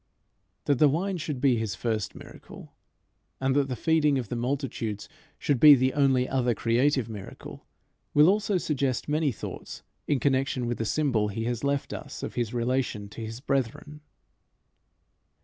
That the wine should be his first miracle, and that the feeding of the multitudes should be the only other creative miracle, will also suggest many thoughts in connection with the symbol he has left us of his relation to his brethren.